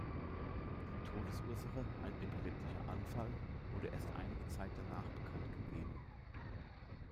Die Todesursache, ein epileptischer Anfall, wurde erst einige Zeit danach bekanntgegeben.